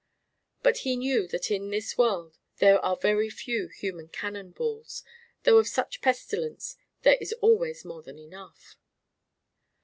But he knew that in this world there are very few human cannonballs, though of such pestilence there is always more than enough.